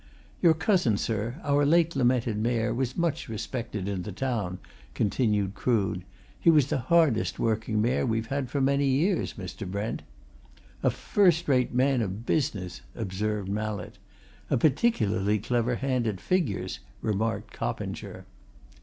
"Your cousin, sir, our late lamented Mayor, was much respected in the town," continued Crood. "He was the hardest working Mayor we've had for many years, Mr. Brent." "A first rate man of business!" observed Mallett. "A particularly clever hand at figures!" remarked Coppinger.